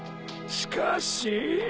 しかし。